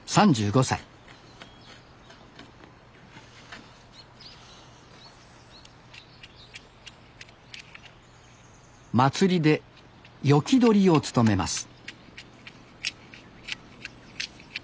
３５歳祭りで斧取りを務めます